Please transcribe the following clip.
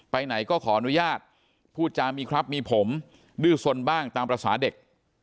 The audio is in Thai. ไปไหนก็ขออนุญาตพูดจามีครับมีผมดื้อสนบ้างตามภาษาเด็ก